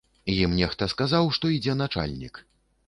Ім нехта сказаў, што ідзе начальнік.